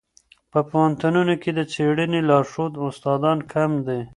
په پوهنتونونو کي د څېړني لارښود استادان کم دي.